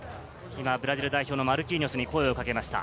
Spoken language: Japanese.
ブラジル代表のマルキーニョスに声をかけました。